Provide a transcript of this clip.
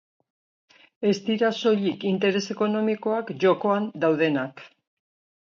Ez dira soilik interes ekonomikoak jokoan daudenak.